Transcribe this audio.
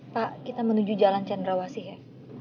pak kita menuju jalan cendrawasi ya